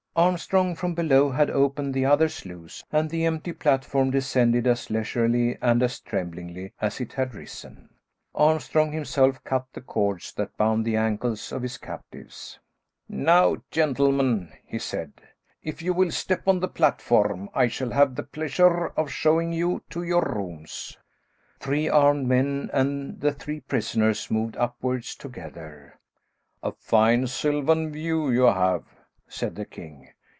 Armstrong, from below, had opened the other sluice, and the empty platform descended as leisurely and as tremblingly as it had risen. Armstrong himself cut the cords that bound the ankles of his captives. "Now, gentlemen," he said, "if you will step on the platform I shall have the pleasure of showing you to your rooms." Three armed men and the three prisoners moved upwards together. "A fine sylvan view you have," said the king.